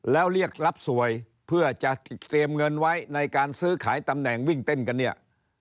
แล้วเรียกรับสวยเพื่อจะเตรียมเงินไว้ในการซื้อขายตำแหน่งวิ่งเต้นกันเนี่ย